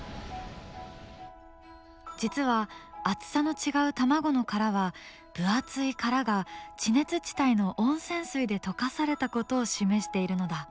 実は厚さの違う卵の殻は分厚い殻が地熱地帯の温泉水で溶かされたことを示しているのだ。